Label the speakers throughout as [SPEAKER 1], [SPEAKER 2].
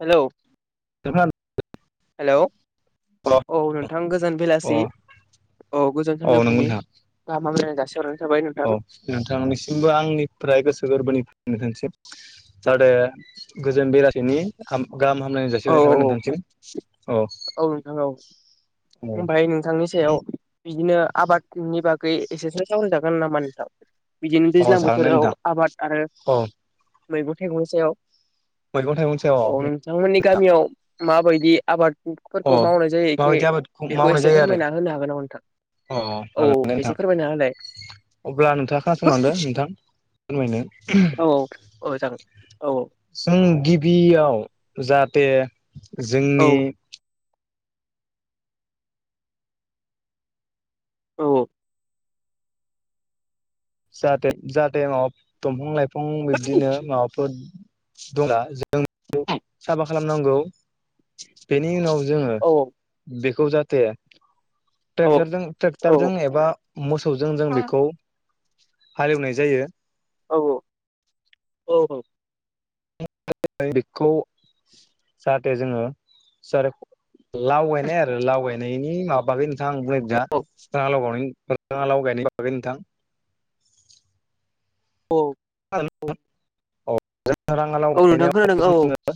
[SPEAKER 1] हेल'
[SPEAKER 2] अ
[SPEAKER 1] हेल' औ नोंथां गोजोन बेलासि औ गोजोन
[SPEAKER 2] नंगौ
[SPEAKER 1] सानजौफुनि
[SPEAKER 2] नोंथां
[SPEAKER 1] गाहाम हामलायनाय जासि हरबाय
[SPEAKER 2] औ नोंथांनिसिमबो आंनिफ्राय गोसो गोरबोनि [unintelligible] जाहाथे गोजोन बेलासिनि उम गाहाम हामलायनाय
[SPEAKER 1] औ
[SPEAKER 2] जासिबाय थाबाय नोंथांसिम औ औ
[SPEAKER 1] ओमफ्राय नोंथांनि सायाव बिदिनो आबादनि बागै एसेसो जागोन नामा नोंथां बिदिनो
[SPEAKER 2] अ
[SPEAKER 1] दैज्लां
[SPEAKER 2] जागोन दे
[SPEAKER 1] बोथोराव
[SPEAKER 2] नोंथां
[SPEAKER 1] आबाद आरो
[SPEAKER 2] अ
[SPEAKER 1] मैगं थाइगंनि सायाव
[SPEAKER 2] मैगं थाइगंनि सायाव
[SPEAKER 1] औ नोंथांमोननि गामियाव माबायदि आबाद
[SPEAKER 2] अ
[SPEAKER 1] फोरखौ मावनाय जायोखे
[SPEAKER 2] माबायदि आबादखौ
[SPEAKER 1] बेखौ
[SPEAKER 2] मावनाय
[SPEAKER 1] एसे
[SPEAKER 2] जायो आरो अ
[SPEAKER 1] फोरमायना होनो हागोन नामा नोंथां औ
[SPEAKER 2] हागोन दे नोंथां
[SPEAKER 1] एसे फोरमायना होलाय
[SPEAKER 2] अब्ला नोंथाङा खानासंलांदो नोंथां फोरमायनो
[SPEAKER 1] औ औ जागोन औ
[SPEAKER 2] जों गिबियाव जाहाथे
[SPEAKER 1] औ
[SPEAKER 2] जोंनि
[SPEAKER 1] औ
[SPEAKER 2] जाहाते जाहाते माबा दंम्फं लायफं बिफां बिब्दिनो माबाफोर दंना जों साफा खालामनांगौ बेनि उनाव जोङो बे खौ जाहाथे
[SPEAKER 1] औ
[SPEAKER 2] ट्रेकजारजों
[SPEAKER 1] औ
[SPEAKER 2] ट्रेक्टरजों एबा मोसौजों जों बेखौ हालेवनाय जायो
[SPEAKER 1] औ औ
[SPEAKER 2] [unintelligible] बेखौ
[SPEAKER 1] [inaudible]
[SPEAKER 2] दे जोङो सार लावगायनाय आरो लावगायनायनि मा बागै [unintelligible] नोंथाङा लाव गायनाय बागै नोंथां
[SPEAKER 1] औ
[SPEAKER 2] जो राङा लाव
[SPEAKER 1] औ नोंथां
[SPEAKER 2] गायनायाव
[SPEAKER 1] खोनादों औ
[SPEAKER 2] जोङो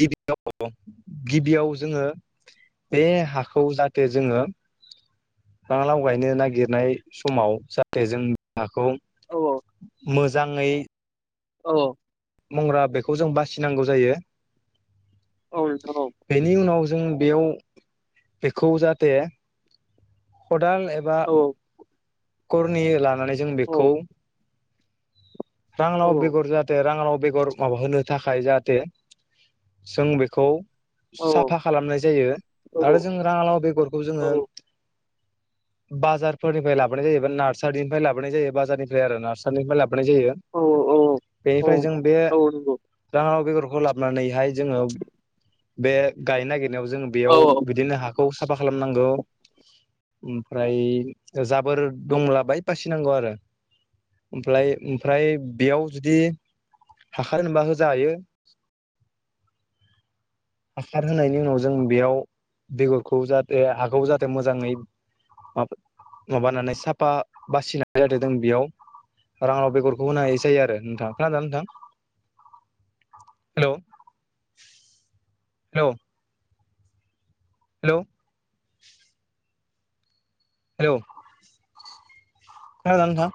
[SPEAKER 2] गिबियाव गिबियाव जोङो बे हाखौ जाहाथे जोङो राङा लाव गायनो नागिरनाय समाव जाहाथे जों हाखौ
[SPEAKER 1] औ
[SPEAKER 2] मोजाङै
[SPEAKER 1] औ
[SPEAKER 2] मंग्रा बेखौ जों बासिनांगौ जायो
[SPEAKER 1] औ नोंथां औ
[SPEAKER 2] बेनि उनाव जों बेयाव बेखौ जाहाथे खदाल एबा करनि लानानै जों
[SPEAKER 1] औ
[SPEAKER 2] बेखौ राङा लाव
[SPEAKER 1] औ
[SPEAKER 2] बेगर जाहाथे राङा लाव बेगर माबा होनो थाखाय जाहाथे जों बेखौ
[SPEAKER 1] औ
[SPEAKER 2] साफा खालामनाय जायो आरो जों राङालाव बेगरखौ जोङो
[SPEAKER 1] [inaudible]
[SPEAKER 2] बाजारफोरनिफ्राय लाबोनाय जायोा नार्सारिनिफ्राय लाबोनाय जायो बाजारनिफ्राय आरो नार्सारिनिफ्राय लाबोनाय जायो
[SPEAKER 1] औ औ
[SPEAKER 2] बेनिफ्राय जों बे
[SPEAKER 1] औ नंगौ
[SPEAKER 2] राङालाव बेगर खौ लाबनानै हाय जोङो बे गायनो नागि नायाव जों बेयाव
[SPEAKER 1] औ औ
[SPEAKER 2] बिदिनो हाखौ साफा खालामनांगौ ओमफ्राय जाबोर दंब्ला बाय बासिनांगौ आरो ओमफ्लाय ओम फ्राय बेयाव जुदि हाखार होनोबा होजायो हासार होनायनि उनाव जों बेयाव बेगरखौ जाहाथे हाखौ जाहाथे मोजाङै मा माबानानै साफा बासिनाय जादों जों बेयाव राङा लाव बेगर गौ होनाय जायो आरो नोंथां खोनादोंना नोंथां। हेलौ हेलौ हेलौ हेलौ खोनादोंना नोंथां?